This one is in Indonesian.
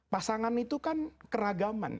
pasangan itu kan keragaman